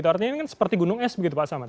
artinya ini seperti gunung es pak samad